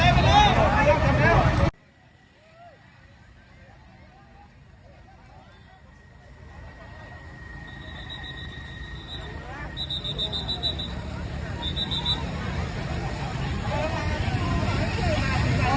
อันนี้ก็มันถูกประโยชน์ก่อน